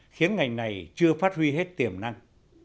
khiến ngành này chưa phát huy hết tiềm năng